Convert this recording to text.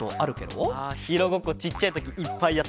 あヒーローごっこちっちゃいときいっぱいやったよ。